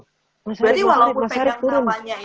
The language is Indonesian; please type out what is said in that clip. berarti walaupun pegang namanya itu